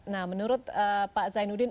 nah menurut pak zainuddin